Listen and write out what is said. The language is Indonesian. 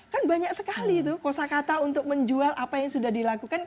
kan banyak sekali itu kosa kata untuk menjual apa yang sudah dilakukan